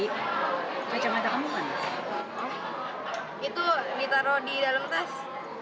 itu ditaruh di dalam tas